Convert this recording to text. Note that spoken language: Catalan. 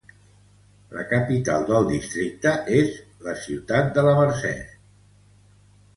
La capital del districte és la ciutat de La Merced.